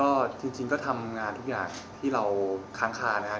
ก็จริงก็ทำงานทุกอย่างที่เราค้างคานะครับ